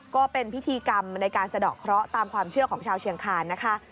ก็เป็นพิธีกรรมในการสะดอกเคราะห์ตามความเชื่อของชาวเชียงคานนะคะ